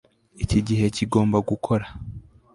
Iki gihe kigomba gukora